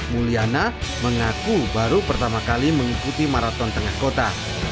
mulyana mengaku baru pertama kali mengikuti maraton tengah kota